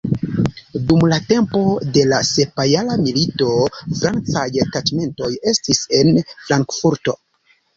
Dum la tempo de la Sepjara milito francaj taĉmentoj estis en Frankfurto.